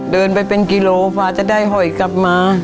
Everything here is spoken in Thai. เดินไปเป็นกิโลกว่าจะได้หอยกลับมา